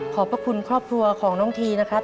ขอบพระคุณครอบครัวของน้องทีนะครับ